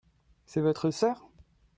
C'est votre sœur ?